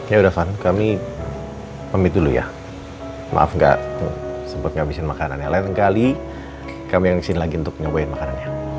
ya udah van kami pamit dulu ya maaf gak sempet ngabisin makanannya lain kali kami yang kesini lagi untuk nyobain makanannya